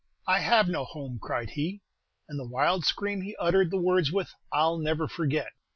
I have no home,' cried he; and the wild scream he uttered the words with, I 'll never forget.